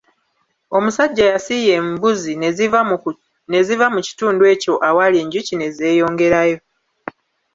Omusajja yasiiya embuzi ne ziva mu kitundu ekyo awaali enjuki ne zeeyongerayo.